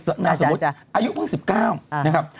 นามสมมุติอายุเพิ่ง๑๙นะครับ